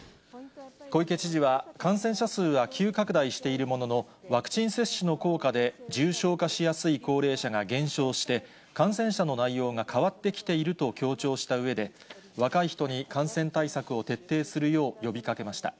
小池知事は、感染者数は急拡大しているものの、ワクチン接種の効果で重症化しやすい高齢者が減少して、感染者の内容が変わってきていると強調したうえで、若い人に感染対策を徹底するよう呼びかけました。